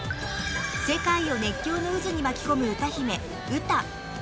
［世界を熱狂の渦に巻き込む］